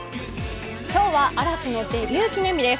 今日は嵐のデビュー記念日です。